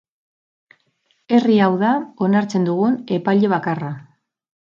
Herri hau da onartzen dugun epaile bakarra.